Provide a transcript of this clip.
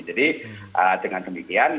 jadi dengan demikian